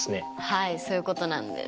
はいそういうことなんです。